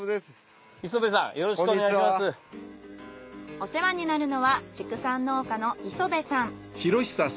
お世話になるのは畜産農家の磯部さん。